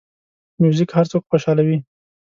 موزیک هر څوک خوشحالوي.